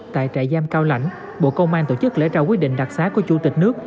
tại trại giam cao lãnh bộ công an tổ chức lễ trao quyết định đặc xá của chủ tịch nước